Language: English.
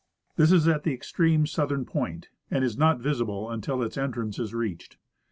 This is at the extreme southern j^oint, and is not visible until its entrance is reached.